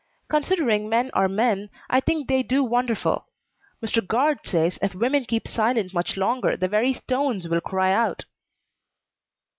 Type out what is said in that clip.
Considering men are men, I think they do wonderful. Mr. Guard says if women keep silent much longer the very stones will cry out."